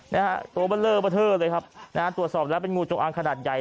นะฮะตัวเบอร์เลอร์เบอร์เทอร์เลยครับนะฮะตรวจสอบแล้วเป็นงูจงอางขนาดใหญ่